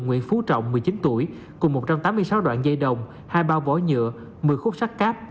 nguyễn phú trọng một mươi chín tuổi cùng một trăm tám mươi sáu đoạn dây đồng hai bao nhựa một mươi khúc sắt cáp